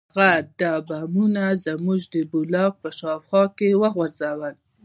هغه دا بمونه زموږ د بلاک په شاوخوا کې وغورځول